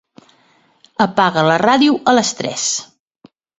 Apaga la ràdio a les tres.